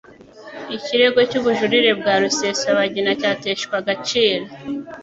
ikirego cy'ubujurire bwa Rusesabagina cyateshwa agaciro.